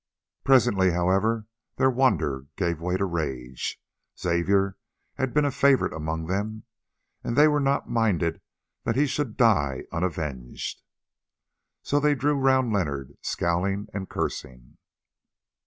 Presently, however, their wonder gave way to rage. Xavier had been a favourite among them, and they were not minded that he should die unavenged. So they drew round Leonard scowling and cursing.